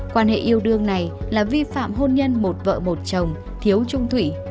quan hệ yêu đương này là vi phạm hôn nhân một vợ một chồng thiếu trung thủy